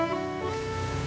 aku nanya kak dan rena